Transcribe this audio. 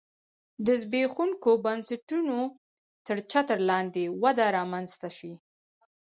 د زبېښونکو بنسټونو تر چتر لاندې وده رامنځته شي